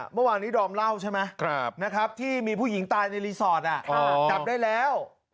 เมื่อวานนี้ดอมเล่าใช่ไหมที่มีผู้หญิงตายในรีสอร์ทจับได้แล้ว